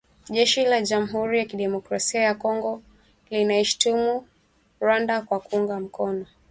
Jeshi la Jamhuri ya kidemokrasia ya Kongo linaishutumu Rwanda kwa kuunga mkono.